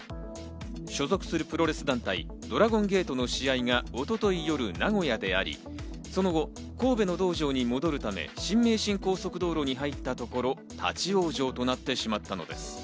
所属するプロレス団体・ドラゴンゲートの試合が一昨日夜、名古屋であり、その後、神戸の道場に戻るため、新名神高速道路に入ったところ、立ち往生となってしまったのです。